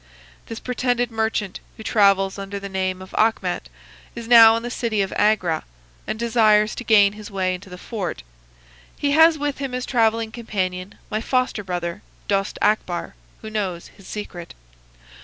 "'This pretended merchant, who travels under the name of Achmet, is now in the city of Agra, and desires to gain his way into the fort. He has with him as travelling companion my foster brother Dost Akbar, who knows his secret.